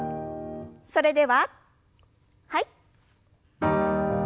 それでははい。